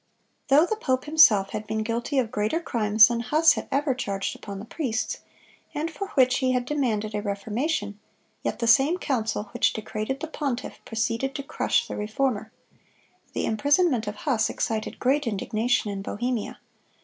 Though the pope himself had been guilty of greater crimes than Huss had ever charged upon the priests, and for which he had demanded a reformation, yet the same council which degraded the pontiff proceeded to crush the Reformer. The imprisonment of Huss excited great indignation in Bohemia.